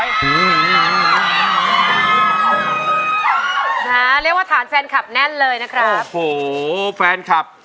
เรียกเดินว่าฐานแฟนคลับแน่นเลยนะครับ